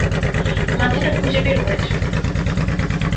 মাথাটা খুঁজে বের করেছো।